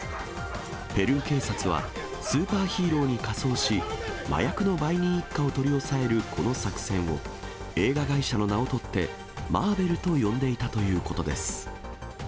ペルー警察はスーパーヒーローに仮装し、麻薬の売人一家を取り押さえるこの作戦を、映画会社の名を取って、マーベルと呼んでいたということです。